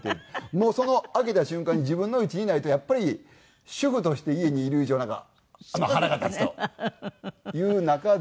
もうその開けた瞬間に自分の位置にないとやっぱり主婦として家にいる以上なんか腹が立つという中で。